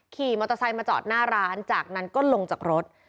ขี่มอเตอร์ไซค์มาจอดหน้าร้านจากนั้นก็ลงจากรถ